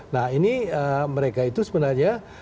nah ini mereka itu sebenarnya